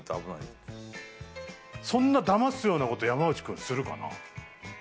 そんなだますようなこと山内くんするかな？